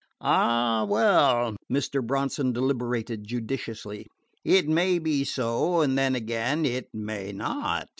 "Ah, well," Mr. Bronson deliberated judiciously, "it may be so, and then again it may not."